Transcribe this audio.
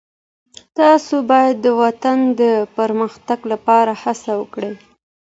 تاسو باید د وطن د پرمختګ لپاره هڅه وکړئ.